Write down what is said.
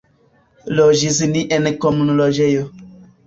Loĝis ni en komunloĝejo.